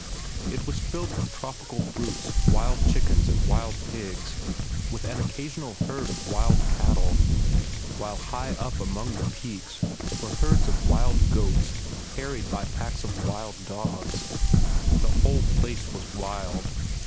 It was filled with tropical fruits, wild chickens, and wild pigs, with an occasional herd of wild cattle, while high up among the peaks were herds of wild goats harried by packs of wild dogs. The whole place was wild.